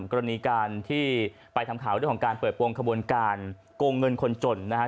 กรณีการที่ไปทำข่าวเรื่องของการเปิดโปรงขบวนการโกงเงินคนจนนะครับ